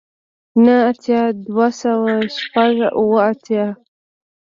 نه اتیای دوه سوه شپږ اوه اتیا